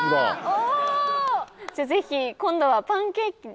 じゃぜひ今度はパンケーキを。